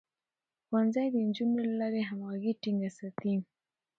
ښوونځی د نجونو له لارې همغږي ټينګه ساتي.